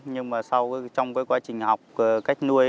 nhưng mà sau trong cái quá trình học cách nuôi